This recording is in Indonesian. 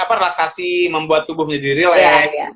apa rasasi membuat tubuh menjadi real ya